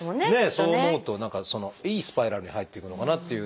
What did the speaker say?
そう思うと何かいいスパイラルに入っていくのかなっていうのはありますけど。